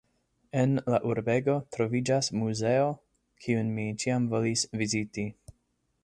En la urbego troviĝas muzeo, kiun mi ĉiam volis viziti.